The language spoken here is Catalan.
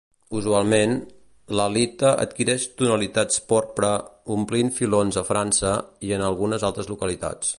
Usualment, l'halita adquireix tonalitats porpra omplint filons a França i en algunes altres localitats.